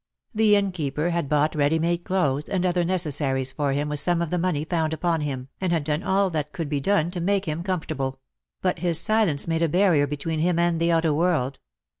The Innkeeper had bought ready made clothes, and other necessaries for him with some of the money found upon him, and had done all that could be done to make him comfortable; but his silence made a barrier be tween him and the outer world.